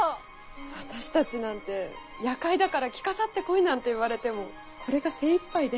私たちなんて夜会だから着飾ってこいなんて言われてもこれが精いっぱいで。